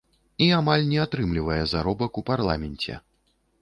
І амаль не атрымлівае заробак у парламенце.